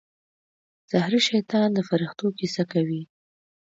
زهري شیطان د فرښتو کیسه کوي.